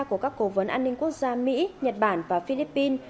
của các cố vấn an ninh quốc gia mỹ nhật bản và philippines